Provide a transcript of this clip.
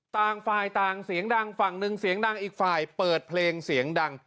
ต่างฝ่ายต่างเสียงดังฝั่งหนึ่งเสียงดังอีกฝ่ายเปิดเพลงเสียงดัง